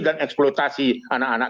dan eksploitasi anak anak